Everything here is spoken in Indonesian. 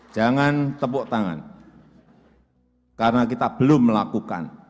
jangan tepuk tangan karena kita belum melakukan